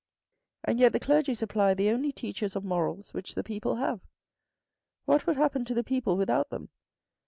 And yet the clergy supply the only teachers of morals which the people have. What would happen to the people without them